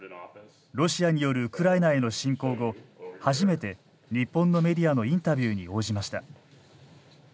ロシアによるウクライナへの侵攻後初めて日本のメディアのインタビューに応じました。